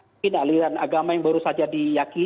mungkin aliran agama yang baru saja diyakini